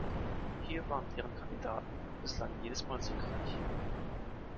Hier waren deren Kandidaten bislang jedes Mal siegreich.